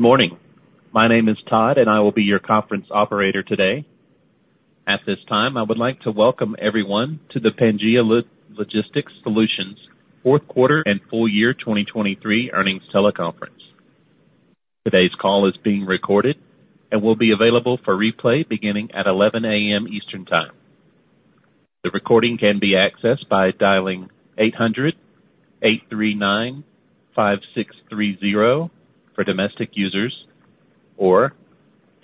Good morning. My name is Todd, and I will be your conference operator today. At this time, I would like to welcome everyone to the Pangaea Logistics Solutions fourth quarter and full year 2023 earnings teleconference. Today's call is being recorded and will be available for replay beginning at 11:00 A.M. Eastern Time. The recording can be accessed by dialing 800-839-5630 for domestic users or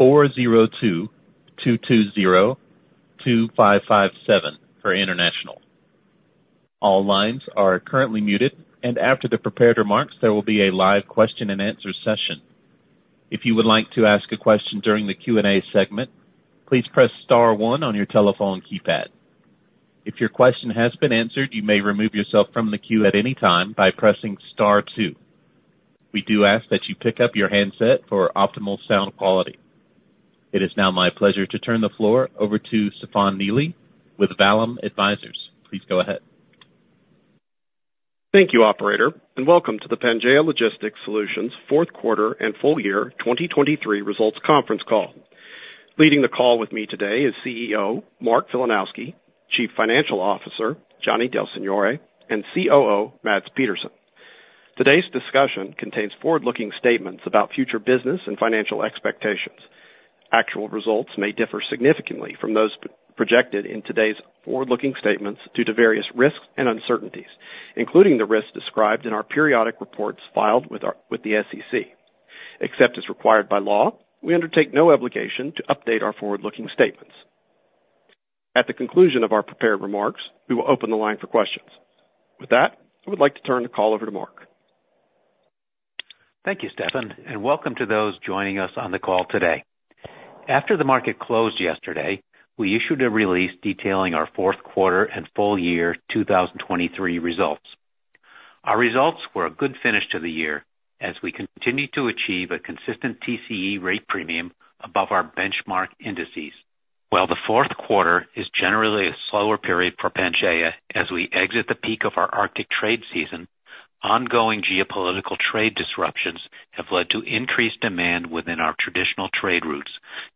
402-220-2557 for international. All lines are currently muted, and after the prepared remarks, there will be a live question and answer session. If you would like to ask a question during the Q&A segment, please press star one on your telephone keypad. If your question has been answered, you may remove yourself from the queue at any time by pressing star two. We do ask that you pick up your handset for optimal sound quality. It is now my pleasure to turn the floor over to Stefan Neely with Vallum Advisors. Please go ahead. Thank you, operator, and welcome to the Pangaea Logistics Solutions fourth quarter and full year 2023 results conference call. Leading the call with me today is CEO Mark Filanowski, Chief Financial Officer Gianni Del Signore, and COO Mads Petersen. Today's discussion contains forward-looking statements about future business and financial expectations. Actual results may differ significantly from those projected in today's forward-looking statements due to various risks and uncertainties, including the risks described in our periodic reports filed with the SEC. Except as required by law, we undertake no obligation to update our forward-looking statements. At the conclusion of our prepared remarks, we will open the line for questions. With that, I would like to turn the call over to Mark. Thank you, Stefan, and welcome to those joining us on the call today. After the market closed yesterday, we issued a release detailing our fourth quarter and full year 2023 results. Our results were a good finish to the year as we continue to achieve a consistent TCE rate premium above our benchmark indices. While the fourth quarter is generally a slower period for Pangaea as we exit the peak of our Arctic trade season, ongoing geopolitical trade disruptions have led to increased demand within our traditional trade routes,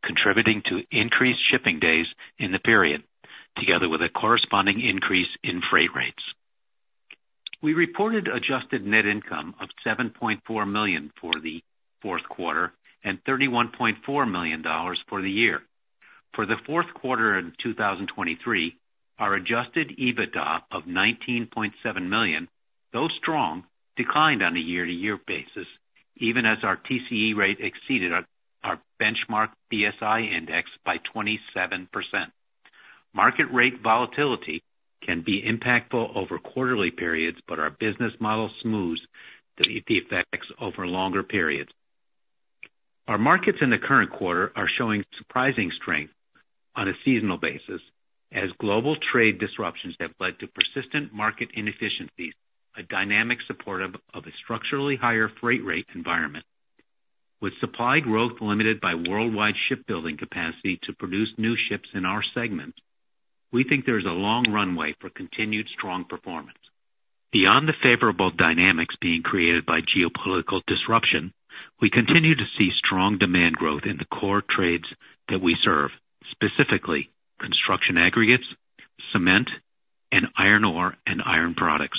contributing to increased shipping days in the period, together with a corresponding increase in freight rates. We reported adjusted net income of $7.4 million for the fourth quarter and $31.4 million for the year. For the fourth quarter in 2023, our Adjusted EBITDA of $19.7 million, though strong, declined on a year-to-year basis even as our TCE rate exceeded our benchmark BSI index by 27%. Market rate volatility can be impactful over quarterly periods, but our business model smooths the effects over longer periods. Our markets in the current quarter are showing surprising strength on a seasonal basis as global trade disruptions have led to persistent market inefficiencies, a dynamic supportive of a structurally higher freight rate environment. With supply growth limited by worldwide shipbuilding capacity to produce new ships in our segment, we think there is a long runway for continued strong performance. Beyond the favorable dynamics being created by geopolitical disruption, we continue to see strong demand growth in the core trades that we serve, specifically construction aggregates, cement, and iron ore and iron products.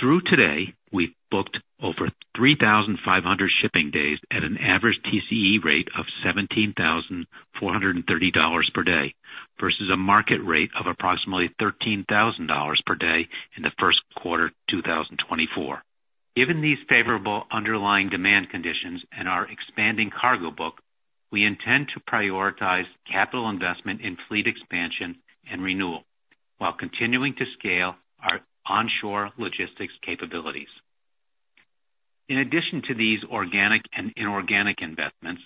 Through today, we've booked over 3,500 shipping days at an average TCE rate of $17,430 per day versus a market rate of approximately $13,000 per day in the first quarter 2024. Given these favorable underlying demand conditions and our expanding cargo book, we intend to prioritize capital investment in fleet expansion and renewal while continuing to scale our onshore logistics capabilities. In addition to these organic and inorganic investments,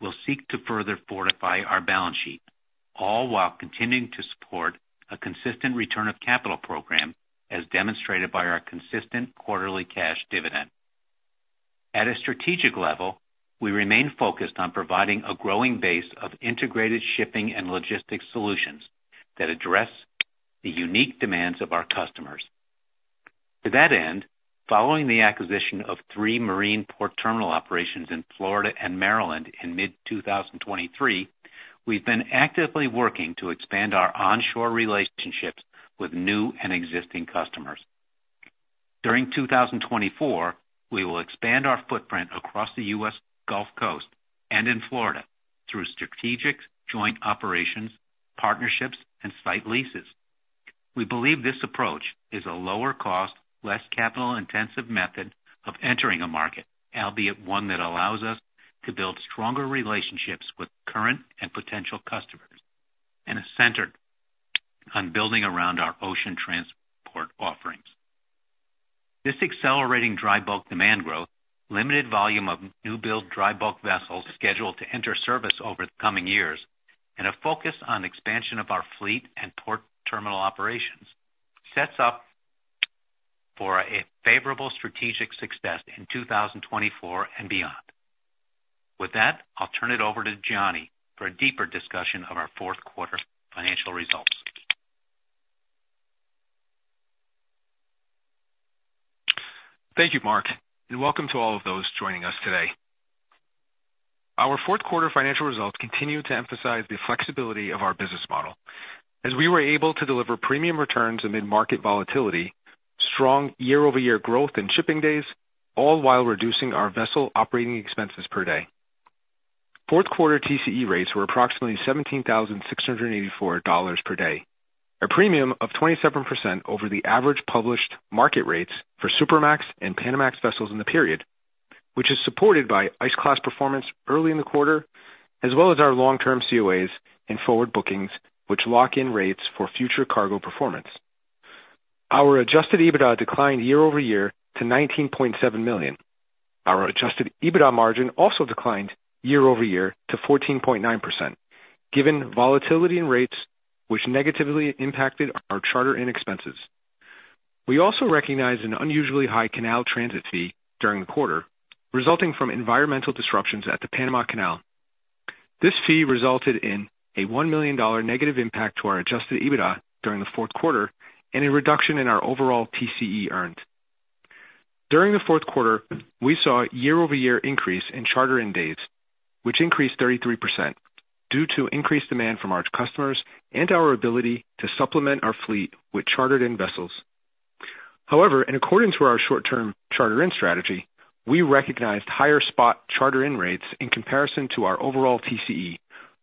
we'll seek to further fortify our balance sheet, all while continuing to support a consistent return of capital program as demonstrated by our consistent quarterly cash dividend. At a strategic level, we remain focused on providing a growing base of integrated shipping and logistics solutions that address the unique demands of our customers. To that end, following the acquisition of three marine port terminal operations in Florida and Maryland in mid-2023, we've been actively working to expand our onshore relationships with new and existing customers. During 2024, we will expand our footprint across the US Gulf Coast and in Florida through strategic joint operations, partnerships, and site leases. We believe this approach is a lower-cost, less capital-intensive method of entering a market, albeit one that allows us to build stronger relationships with current and potential customers and is centered on building around our ocean transport offerings. This accelerating dry bulk demand growth, limited volume of new-built dry bulk vessels scheduled to enter service over the coming years, and a focus on expansion of our fleet and port terminal operations sets up for a favorable strategic success in 2024 and beyond. With that, I'll turn it over to Gianni for a deeper discussion of our fourth quarter financial results. Thank you, Mark, and welcome to all of those joining us today. Our fourth quarter financial results continue to emphasize the flexibility of our business model as we were able to deliver premium returns amid market volatility, strong year-over-year growth in shipping days, all while reducing our vessel operating expenses per day. Fourth quarter TCE rates were approximately $17,684 per day, a premium of 27% over the average published market rates for Supramax and Panamax vessels in the period, which is supported by ice-class performance early in the quarter as well as our long-term COAs and forward bookings, which lock in rates for future cargo performance. Our Adjusted EBITDA declined year-over-year to $19.7 million. Our Adjusted EBITDA margin also declined year-over-year to 14.9% given volatility in rates, which negatively impacted our charter and expenses. We also recognized an unusually high canal transit fee during the quarter, resulting from environmental disruptions at the Panama Canal. This fee resulted in a $1 million negative impact to our Adjusted EBITDA during the fourth quarter and a reduction in our overall TCE earned. During the fourth quarter, we saw a year-over-year increase in charter-in days, which increased 33% due to increased demand from our customers and our ability to supplement our fleet with chartered-in vessels. However, in accordance with our short-term charter-in strategy, we recognized higher spot charter-in rates in comparison to our overall TCE,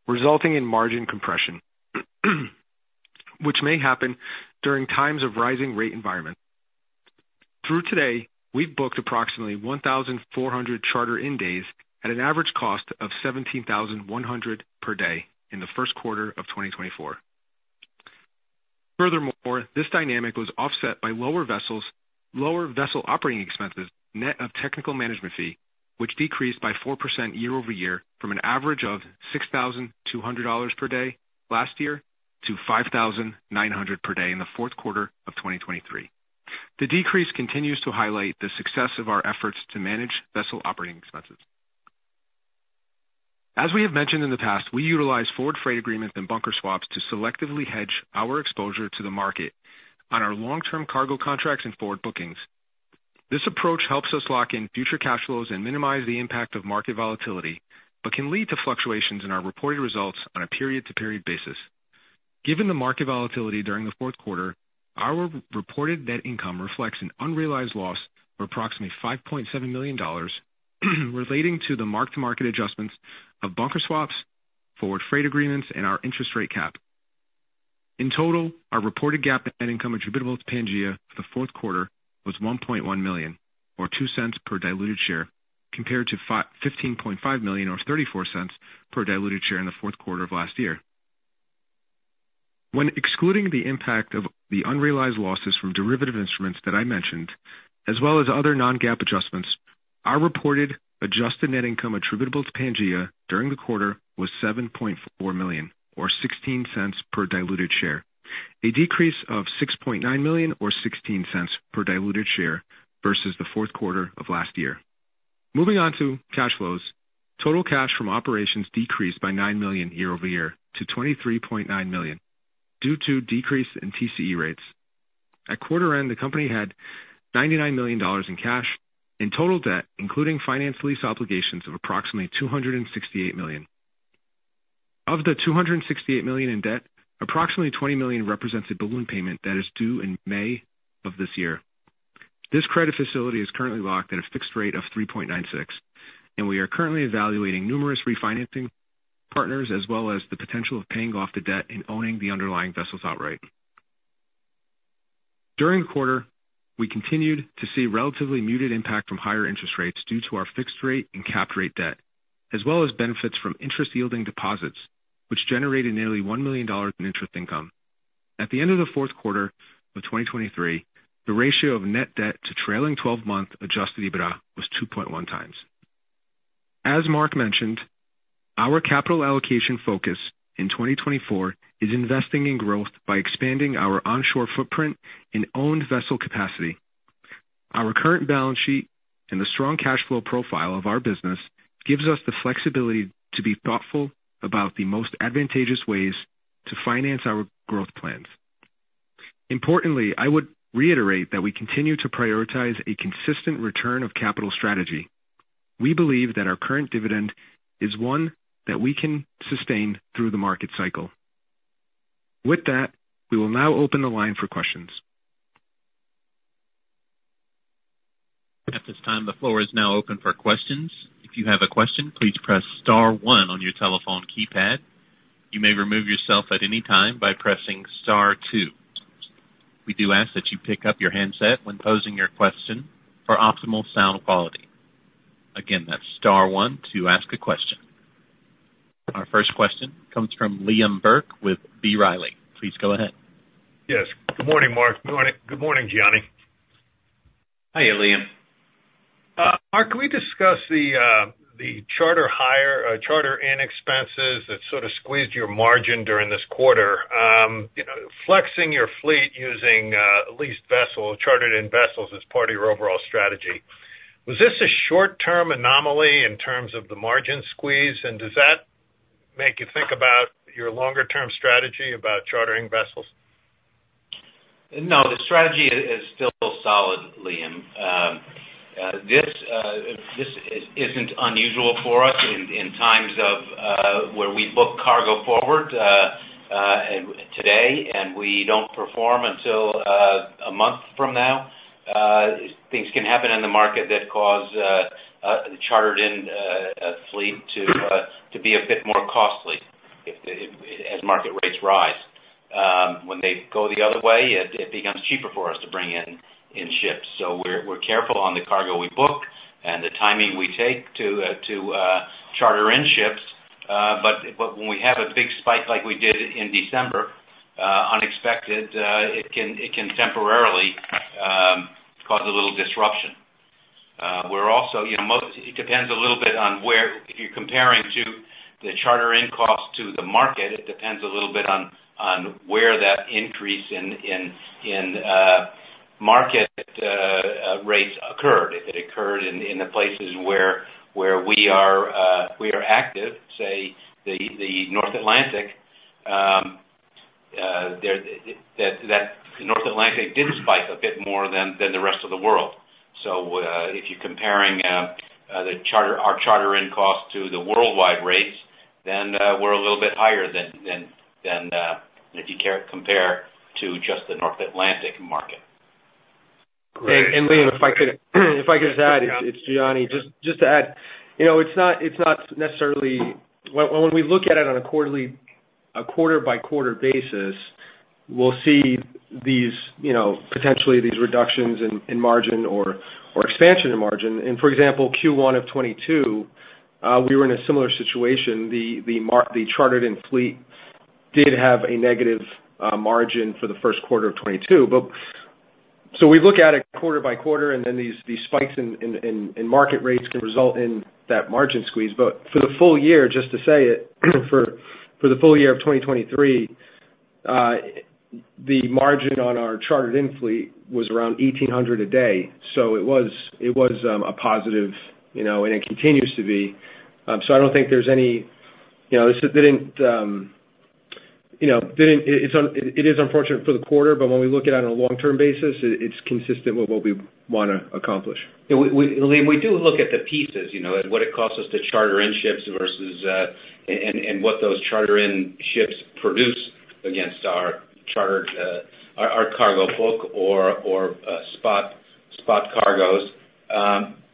resulting in margin compression, which may happen during times of rising rate environments. Through today, we've booked approximately 1,400 charter-in days at an average cost of $17,100 per day in the first quarter of 2024. Furthermore, this dynamic was offset by lower vessel operating expenses net of technical management fee, which decreased by 4% year-over-year from an average of $6,200 per day last year to $5,900 per day in the fourth quarter of 2023. The decrease continues to highlight the success of our efforts to manage vessel operating expenses. As we have mentioned in the past, we utilize forward freight agreements and bunker swaps to selectively hedge our exposure to the market on our long-term cargo contracts and forward bookings. This approach helps us lock in future cash flows and minimize the impact of market volatility but can lead to fluctuations in our reported results on a period-to-period basis. Given the market volatility during the fourth quarter, our reported net income reflects an unrealized loss of approximately $5.7 million relating to the mark-to-market adjustments of bunker swaps, forward freight agreements, and our interest rate cap. In total, our reported GAAP net income attributable to Pangaea for the fourth quarter was $1.1 million or $0.02 per diluted share compared to $15.5 million or $0.34 per diluted share in the fourth quarter of last year. When excluding the impact of the unrealized losses from derivative instruments that I mentioned, as well as other non-GAAP adjustments, our reported adjusted net income attributable to Pangaea during the quarter was $7.4 million or $0.16 per diluted share, a decrease of $6.9 million or $0.16 per diluted share versus the fourth quarter of last year. Moving on to cash flows, total cash from operations decreased by $9 million year-over-year to $23.9 million due to decrease in TCE rates. At quarter-end, the company had $99 million in cash and total debt, including finance lease obligations, of approximately $268 million. Of the $268 million in debt, approximately $20 million represents a balloon payment that is due in May of this year. This credit facility is currently locked at a fixed rate of 3.96, and we are currently evaluating numerous refinancing partners as well as the potential of paying off the debt and owning the underlying vessels outright. During the quarter, we continued to see relatively muted impact from higher interest rates due to our fixed-rate and cap-rate debt as well as benefits from interest-yielding deposits, which generated nearly $1 million in interest income. At the end of the fourth quarter of 2023, the ratio of net debt to trailing 12-month Adjusted EBITDA was 2.1 times. As Mark mentioned, our capital allocation focus in 2024 is investing in growth by expanding our onshore footprint and owned vessel capacity. Our current balance sheet and the strong cash flow profile of our business give us the flexibility to be thoughtful about the most advantageous ways to finance our growth plans. Importantly, I would reiterate that we continue to prioritize a consistent return of capital strategy. We believe that our current dividend is one that we can sustain through the market cycle. With that, we will now open the line for questions. At this time, the floor is now open for questions. If you have a question, please press star one on your telephone keypad. You may remove yourself at any time by pressing star two. We do ask that you pick up your handset when posing your question for optimal sound quality. Again, that's star one to ask a question. Our first question comes from Liam Burke with B. Riley. Please go ahead. Yes. Good morning, Mark. Good morning, Gianni. Hi there, Liam. Mark, can we discuss the charter-in expenses that sort of squeezed your margin during this quarter? Flexing your fleet using leased vessels, chartered-in vessels, is part of your overall strategy. Was this a short-term anomaly in terms of the margin squeeze, and does that make you think about your longer-term strategy about chartering vessels? No, the strategy is still solid, Liam. This isn't unusual for us in times where we book cargo forward today and we don't perform until a month from now. Things can happen in the market that cause the chartered-in fleet to be a bit more costly as market rates rise. When they go the other way, it becomes cheaper for us to bring in ships. So we're careful on the cargo we book and the timing we take to charter in ships. But when we have a big spike like we did in December, unexpected, it can temporarily cause a little disruption. It depends a little bit on where if you're comparing the charter-in cost to the market, it depends a little bit on where that increase in market rates occurred, if it occurred in the places where we are active, say the North Atlantic. That North Atlantic did spike a bit more than the rest of the world. So if you're comparing our charter-in cost to the worldwide rates, then we're a little bit higher than if you compare to just the North Atlantic market. Liam, if I could just add, it's Gianni. Just to add, it's not necessarily when we look at it on a quarter-by-quarter basis; we'll see potentially these reductions in margin or expansion in margin. For example, Q1 of 2022, we were in a similar situation. The chartered-in fleet did have a negative margin for the first quarter of 2022. So we look at it quarter by quarter, and then these spikes in market rates can result in that margin squeeze. But for the full year, just to say it, for the full year of 2023, the margin on our chartered-in fleet was around $1,800 a day. So it was a positive, and it continues to be. So I don't think there's anything. It is unfortunate for the quarter, but when we look at it on a long-term basis, it's consistent with what we want to accomplish. Liam, we do look at the pieces, what it costs us to charter in ships versus and what those charter-in ships produce against our cargo book or spot cargoes.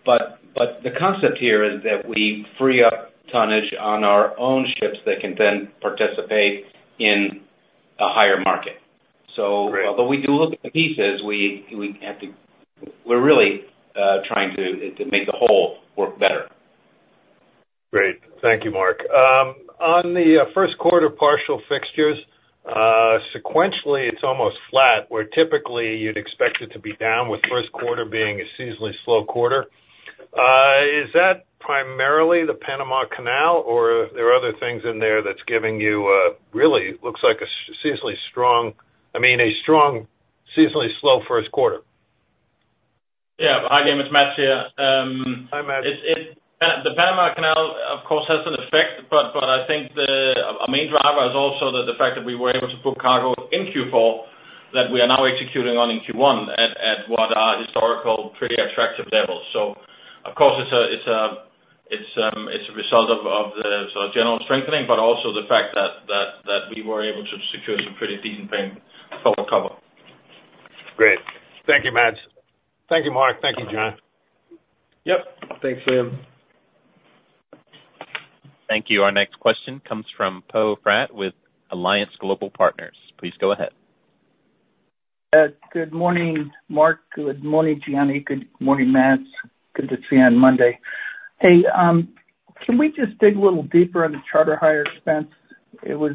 But the concept here is that we free up tonnage on our own ships that can then participate in a higher market. So although we do look at the pieces, we're really trying to make the whole work better. Great. Thank you, Mark. On the first quarter partial fixtures, sequentially, it's almost flat where typically you'd expect it to be down, with first quarter being a seasonally slow quarter. Is that primarily the Panama Canal, or are there other things in there that's giving you a really it looks like a seasonally strong I mean, a strong seasonally slow first quarter? Yeah. Hi, Liam. It's Mads here. Hi, Mads. The Panama Canal, of course, has an effect, but I think a main driver is also the fact that we were able to book cargo in Q4 that we are now executing on in Q1 at what are historical, pretty attractive levels. So of course, it's a result of the sort of general strengthening but also the fact that we were able to secure some pretty decent payment forward cover. Great. Thank you, Mads. Thank you, Mark. Thank you, Gianni. Yep. Thanks, Liam. Thank you. Our next question comes from Poe Fratt with Alliance Global Partners. Please go ahead. Good morning, Mark. Good morning, Gianni. Good morning, Mads. Good to see you on Monday. Hey, can we just dig a little deeper on the charter hire expense? It was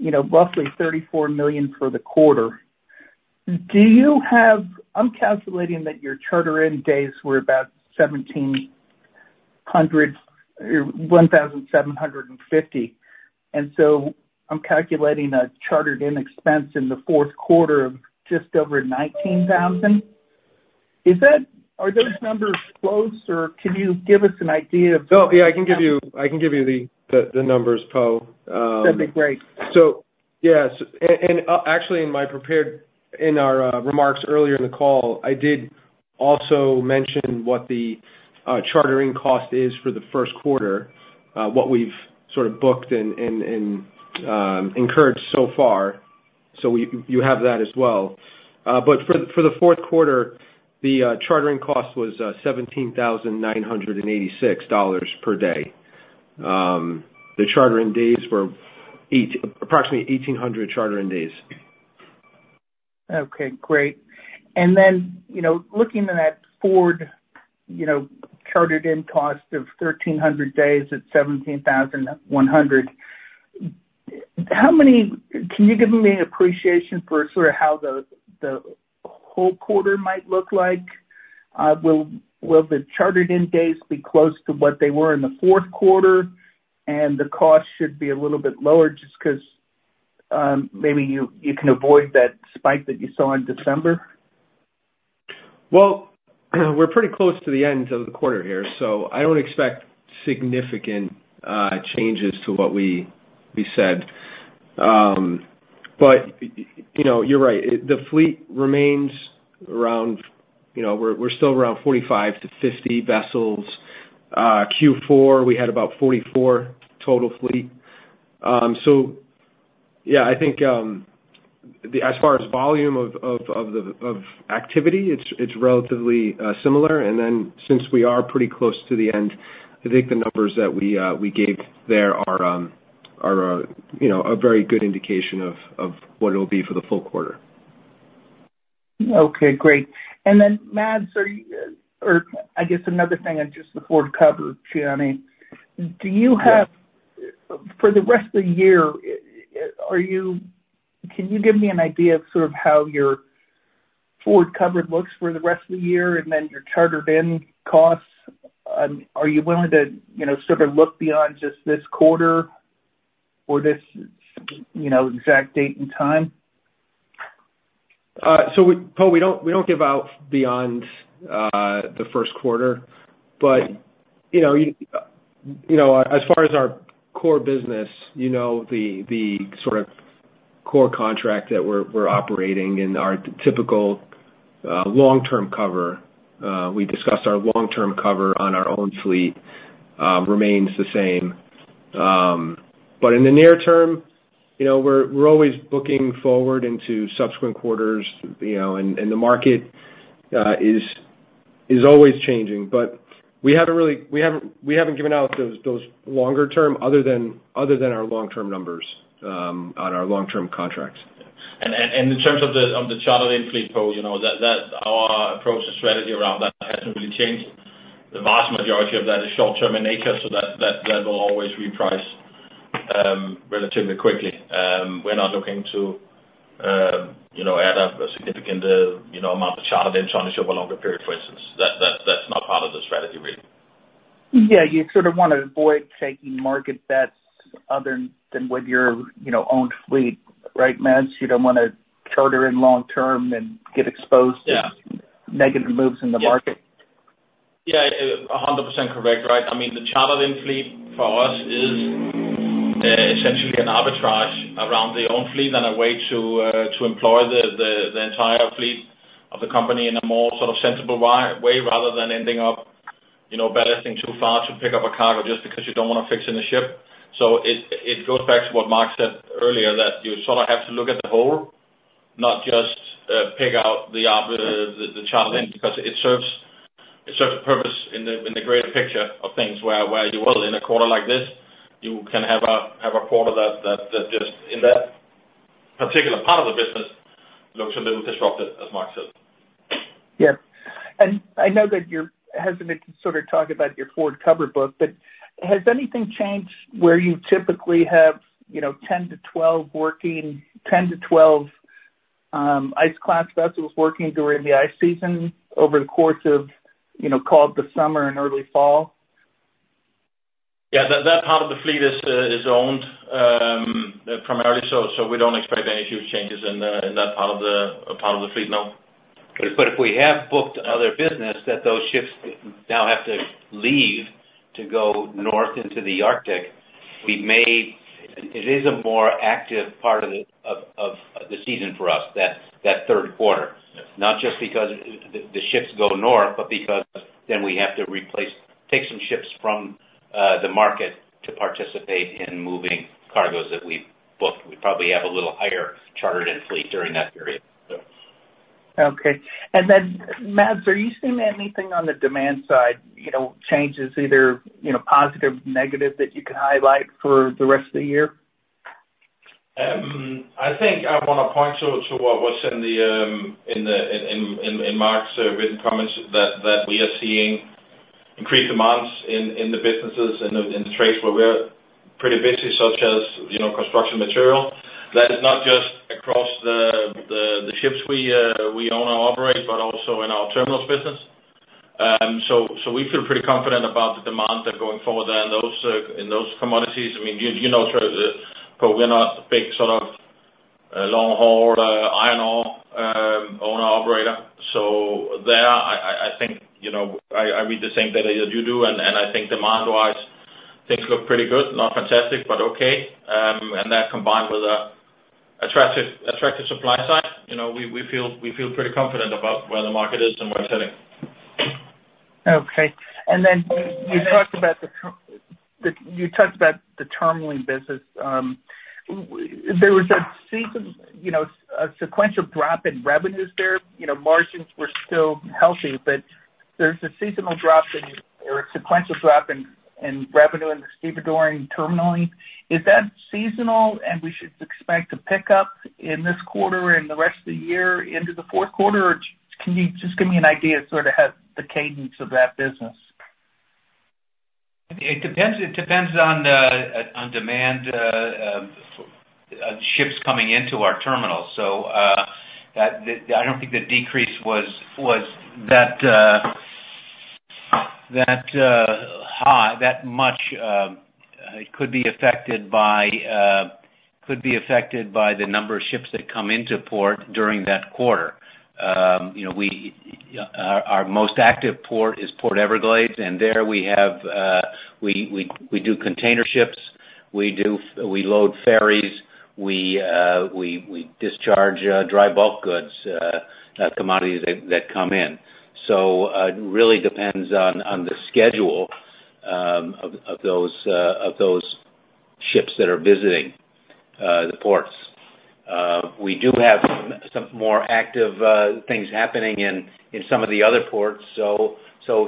roughly $34 million for the quarter. I'm calculating that your charter-in days were about 1,750, and so I'm calculating a chartered-in expense in the fourth quarter of just over $19,000. Are those numbers close, or can you give us an idea of? Oh, yeah. I can give you the numbers, Poe. That'd be great. So yeah. And actually, in our remarks earlier in the call, I did also mention what the charter-in cost is for the first quarter, what we've sort of booked and incurred so far. So you have that as well. But for the fourth quarter, the charter-in cost was $17,986 per day. The charter-in days were approximately 1,800 charter-in days. Okay. Great. And then looking at that forward chartered-in cost of 1,300 days at $17,100, can you give me an appreciation for sort of how the whole quarter might look like? Will the chartered-in days be close to what they were in the fourth quarter, and the cost should be a little bit lower just because maybe you can avoid that spike that you saw in December? Well, we're pretty close to the end of the quarter here, so I don't expect significant changes to what we said. But you're right. The fleet remains around. We're still around 45-50 vessels. Q4, we had about 44 total fleet. So yeah, I think as far as volume of activity, it's relatively similar. And then since we are pretty close to the end, I think the numbers that we gave there are a very good indication of what it'll be for the full quarter. Okay. Great. And then, Mads, or I guess another thing on just the forward cover, Gianni, for the rest of the year, can you give me an idea of sort of how your forward cover looks for the rest of the year and then your chartered-in costs? Are you willing to sort of look beyond just this quarter or this exact date and time? So, Poe, we don't give out beyond the first quarter. But as far as our core business, the sort of core contract that we're operating and our typical long-term cover we discussed our long-term cover on our own fleet remains the same. But in the near term, we're always booking forward into subsequent quarters, and the market is always changing. But we haven't given out those longer-term other than our long-term numbers on our long-term contracts. In terms of the chartered-in fleet, Po, our approach and strategy around that hasn't really changed. The vast majority of that is short-term in nature, so that will always reprice relatively quickly. We're not looking to add up a significant amount of chartered-in tonnage over a longer period, for instance. That's not part of the strategy, really. Yeah. You sort of want to avoid taking market bets other than with your own fleet, right, Mads? You don't want to charter in long-term and get exposed to negative moves in the market. Yeah. 100% correct, right? I mean, the chartered-in fleet for us is essentially an arbitrage around the own fleet and a way to employ the entire fleet of the company in a more sort of sensible way rather than ending up ballasting too far to pick up a cargo just because you don't want to fix in a ship. So it goes back to what Mark said earlier, that you sort of have to look at the whole, not just pick out the chartered-in because it serves a purpose in the greater picture of things where you will, in a quarter like this, you can have a quarter that just in that particular part of the business looks a little disrupted, as Mark said. Yep. I know that you're hesitant to sort of talk about your forward cover book, but has anything changed where you typically have 10-12 working 10-12 Ice-class vessels working during the ice season over the course of, call it, the summer and early fall? Yeah. That part of the fleet is owned primarily, so we don't expect any huge changes in that part of the fleet, no. But if we have booked other business that those ships now have to leave to go north into the Arctic, it is a more active part of the season for us, that third quarter, not just because the ships go north but because then we have to take some ships from the market to participate in moving cargoes that we've booked. We probably have a little higher chartered-in fleet during that period, so. Okay. And then, Mads, are you seeing anything on the demand side, changes, either positive, negative, that you could highlight for the rest of the year? I think I want to point to what was in Mark's written comments, that we are seeing increased demands in the businesses in the trades where we're pretty busy, such as construction material. That is not just across the ships we own or operate but also in our terminals business. So we feel pretty confident about the demand that's going forward there in those commodities. I mean, you know, Poe, we're not a big sort of long-haul iron ore owner/operator. So there, I think I read the same data that you do, and I think demand-wise, things look pretty good, not fantastic but okay. And that combined with an attractive supply side, we feel pretty confident about where the market is and where it's heading. Okay. And then you talked about the terminal business. There was a sequential drop in revenues there. Margins were still healthy, but there's a seasonal drop in or a sequential drop in revenue in the stevedore and terminal. Is that seasonal, and we should expect to pick up in this quarter and the rest of the year into the fourth quarter, or can you just give me an idea sort of how the cadence of that business? It depends on demand of ships coming into our terminals. So I don't think the decrease was that high, that much. It could be affected by the number of ships that come into port during that quarter. Our most active port is Port Everglades, and there we do container ships. We load ferries. We discharge dry bulk goods, commodities that come in. So it really depends on the schedule of those ships that are visiting the ports. We do have some more active things happening in some of the other ports, so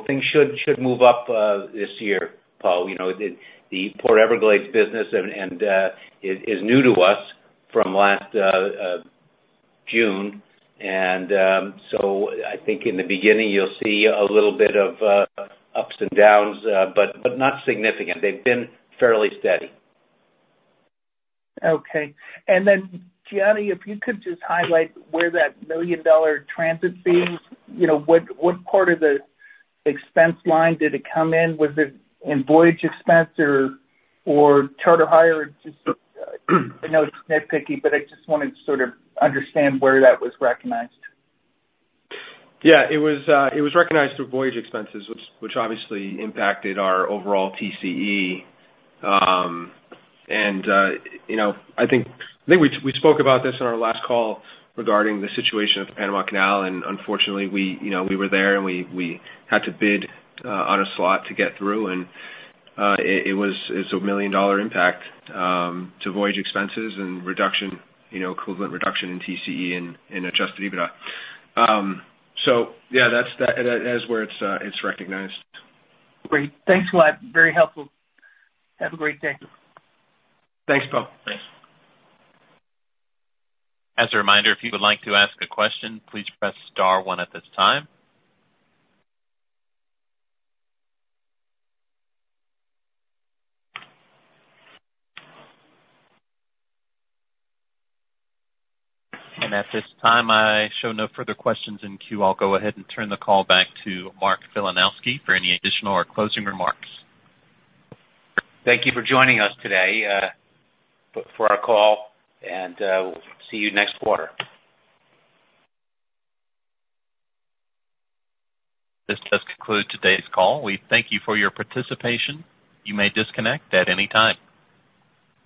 things should move up this year, Poe. The Port Everglades business is new to us from last June, and so I think in the beginning, you'll see a little bit of ups and downs but not significant. They've been fairly steady. Okay. And then, Gianni, if you could just highlight where that $1 million transit fee was, what part of the expense line did it come in? Was it in voyage expense or charter hire? I know it's nitpicky, but I just wanted to sort of understand where that was recognized. Yeah. It was recognized through voyage expenses, which obviously impacted our overall TCE. And I think we spoke about this on our last call regarding the situation at the Panama Canal, and unfortunately, we were there, and we had to bid on a slot to get through. And it was a $1 million impact to voyage expenses and equivalent reduction in TCE and adjusted EBITDA. So yeah, that is where it's recognized. Great. Thanks, Mike. Very helpful. Have a great day. Thanks, Poe. Thanks. As a reminder, if you would like to ask a question, please press star one at this time. At this time, I show no further questions in queue. I'll go ahead and turn the call back to Mark Filanowski for any additional or closing remarks. Thank you for joining us today for our call, and we'll see you next quarter. This does conclude today's call. We thank you for your participation. You may disconnect at any time.